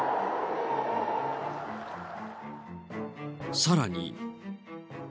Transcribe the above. さらに。